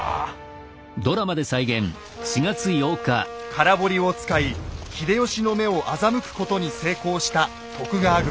空堀を使い秀吉の目を欺くことに成功した徳川軍。